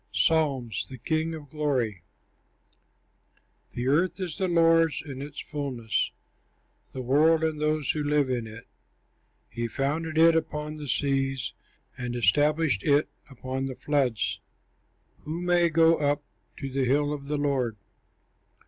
PSALMS THE KING OF GLORY The earth is the Lord's in its fulness, The world and those who live in it; He founded it upon the seas, And established it upon the floods. Who may go up to the hill of the Lord?